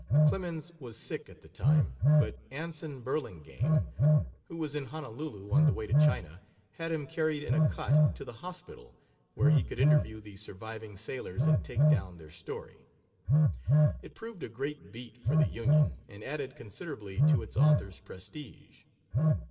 Clemens was sick at the time, but Anson Burlingame, who was in Honolulu, on the way to China, had him carried in a cot to the hospital, where he could interview the surviving sailors and take down their story. It proved a great "beat" for the Union, and added considerably to its author's prestige.